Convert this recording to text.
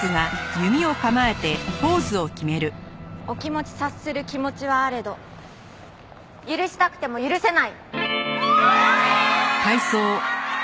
お気持ち察する気持ちはあれど許したくても許せない！